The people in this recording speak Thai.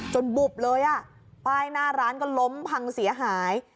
บุบเลยอ่ะป้ายหน้าร้านก็ล้มพังเสียหาย